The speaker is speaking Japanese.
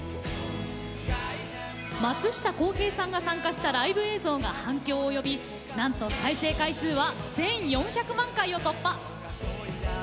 松下洸平さんが参加したライブ映像が反響を呼びなんと再生回数は１４００万回を突破。